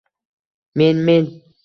— Men... men...